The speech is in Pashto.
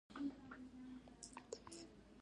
حیوانات ژوندی مخلوق دی.